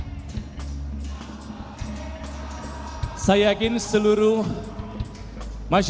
kerana tidak bisa memandangai prasasti deklarasi deklarasi damai